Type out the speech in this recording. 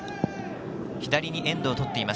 左にエンドをとっています